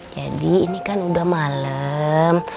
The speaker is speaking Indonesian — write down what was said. jadi ini kan udah malem